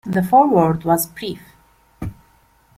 The foreword was brief.